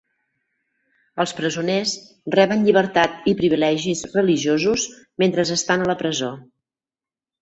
Els presoners reben llibertat i privilegis religiosos mentre estan a la presó.